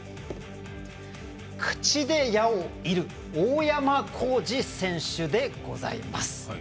口で矢を射る大山晃司選手でございます。